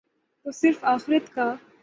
تو صرف آخرت کا۔